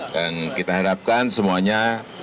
dan kita harapkan semuanya